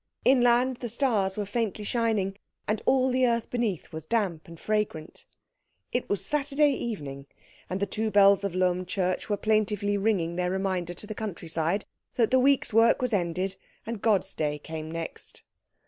Inland the stars were faintly shining, and all the earth beneath was damp and fragrant. It was Saturday evening, and the two bells of Lohm church were plaintively ringing their reminder to the countryside that the week's work was ended and God's day came next.